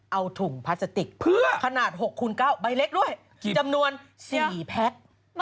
เอาถุงพลาสติกเพื่อขนาด๖คูณ๙ใบเล็กด้วยจำนวน๔แพ็ค